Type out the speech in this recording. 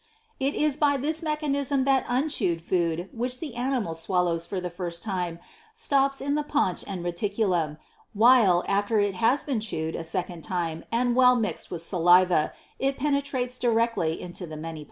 8. It is by this mechanism that unchewed food which the ani mal swallows for the first time, stops in the paunch and reticulum ; while, after it has been chewed a second time and well mixed with saliva, it penetrates directly into the manyplies.